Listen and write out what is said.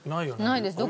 ないです。